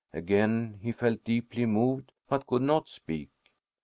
Again he felt deeply moved but could not speak.